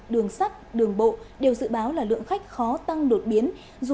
đường sắt đường bộ đều dự báo là lượng khách khó tăng đột biến